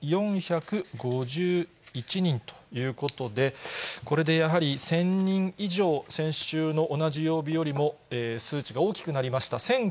４４５１人ということで、これでやはり１０００人以上、先週の同じ曜日よりも数値が大きくなりました。